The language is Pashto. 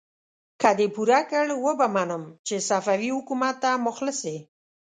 که دې پوره کړ، وبه منم چې صفوي حکومت ته مخلص يې!